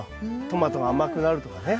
トマトが甘くなるとかね